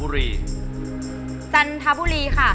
กรุงเทพหมดเลยครับ